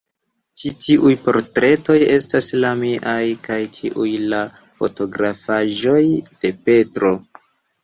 Ĉi tiuj portretoj estas la miaj; kaj tiuj, la fotografaĵoj de Petro.